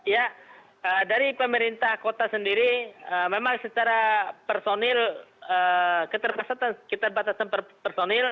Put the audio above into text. ya dari pemerintah kota sendiri memang secara personil keterbatasan personil